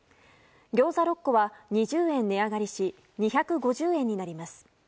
餃子６個は２０円値上がりし２５０円になります。